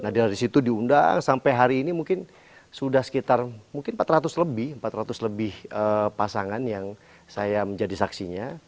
nah dari situ diundang sampai hari ini mungkin sudah sekitar empat ratus lebih pasangan yang saya menjadi saksinya